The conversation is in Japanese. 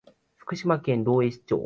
福島県浪江町